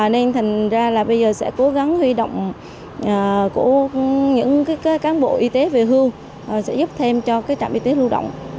nên thành ra bây giờ sẽ cố gắng huy động những cán bộ y tế về hưu sẽ giúp thêm cho trạm y tế lưu động